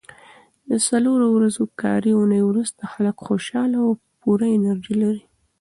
د څلورو ورځو کاري اونۍ وروسته خلک خوشاله او پوره انرژي لري.